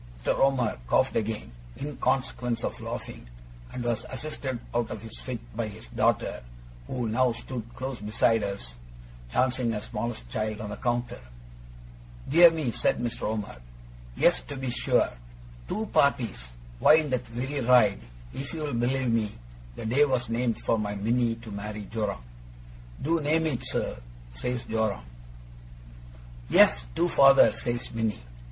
Mr. Omer coughed again, in consequence of laughing, and was assisted out of his fit by his daughter, who now stood close beside us, dancing her smallest child on the counter. 'Dear me!' said Mr. Omer. 'Yes, to be sure. Two parties! Why, in that very ride, if you'll believe me, the day was named for my Minnie to marry Joram. "Do name it, sir," says Joram. "Yes, do, father," says Minnie.